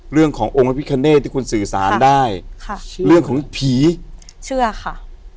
เรื่องขององค์พระพิคเนตที่คุณสื่อสารได้ค่ะเรื่องของผีเชื่อค่ะ